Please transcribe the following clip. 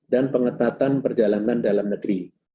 dan pengetatan perjalanan dalam negeri